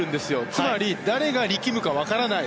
つまり誰が力むかわからない。